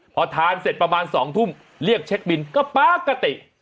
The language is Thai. พอทานเสร็จประมาณ๒ทุ่มเรียกเช็คบินก็ปกติ